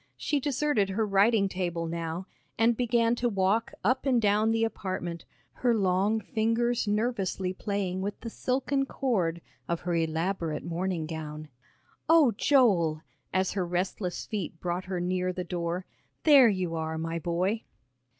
She deserted her writing table now and began to walk up and down the apartment, her long fingers nervously playing with the silken cord of her elaborate morning gown. "Oh, Joel," as her restless feet brought her near the door, "there you are, my boy."